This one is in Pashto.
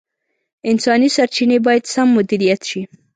انساني سرچیني باید سم مدیریت شي.